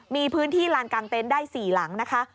มีพื้นที่ลานกลางเต็นต์ได้๔หลังนะคะ